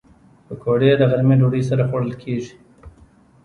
پکورې د غرمې ډوډۍ سره خوړل کېږي